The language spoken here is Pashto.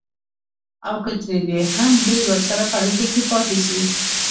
او که تر دې هم ډېر ورسره په اړيکه کې پاتې شي.